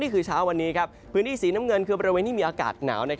เช้าวันนี้พื้นที่สีน้ำเงินคือบริเวณที่มีอากาศหนาว